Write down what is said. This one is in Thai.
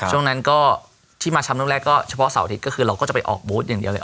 ช่วงนั้นก็ที่มาแชมป์โลกแรกก็เฉพาะเสาร์อาทิตย์ก็คือเราก็จะไปออกบูธอย่างเดียวเลย